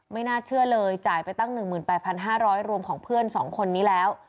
ไม่น่าเชื่อเลยจ่ายไปตั้ง๑๘๕๐๐รวมของเพื่อน๒คนนี้แล้ว